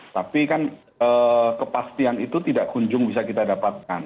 tapi kan kepastian itu tidak kunjung bisa kita dapatkan